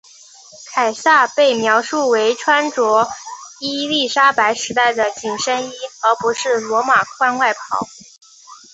凯撒被描述为穿着伊丽莎白时代的紧身衣而不是罗马宽外袍。